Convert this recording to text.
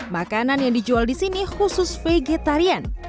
makanan yang dijual disini khusus vegetarian